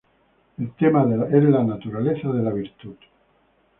El tema es la naturaleza de la virtud.